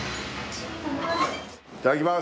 いただきます。